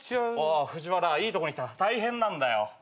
ああふぢわらいいとこに来た大変なんだよ。